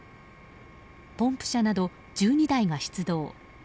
ポンプ車など１２台が出動。